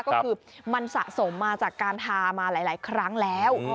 ก็คือมันสะสมมาจากการทามาหลายครั้งแล้ว